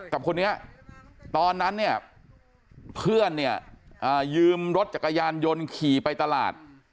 กับคนนี้ตอนนั้นเนี่ยเพื่อนเนี่ยยืมรถจักรยานยนต์ขี่ไปตลาด